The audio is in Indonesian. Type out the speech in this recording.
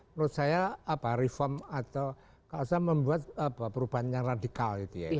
menurut saya reform atau kalau saya membuat perubahan yang radikal gitu ya